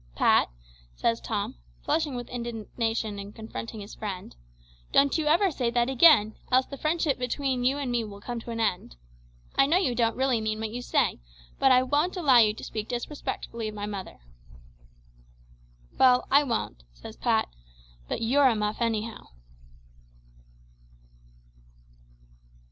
"Pat," says Tom, flushing with indignation and confronting his friend, "don't you ever say that again, else the friendship between you and me will come to an end. I know you don't really mean what you say; but I won't allow you to speak disrespectfully of my mother." "Well, I won't," says Pat, "but you're a muff, anyhow."